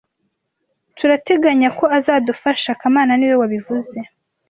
Turateganya ko azadufasha kamana niwe wabivuze